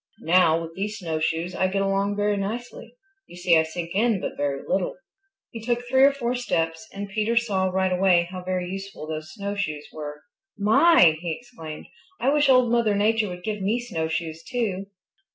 Now, with these snowshoes I get along very nicely. You see I sink in but very little." He took three or four steps and Peter saw right away how very useful those snowshoes were. "My!" he exclaimed. "I wish Old Mother Nature would give me snowshoes too."